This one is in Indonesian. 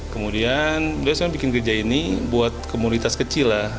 kemudian beliau sekarang bikin gereja ini buat komunitas kecil lah